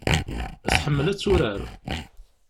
Tḥemmel ad turar.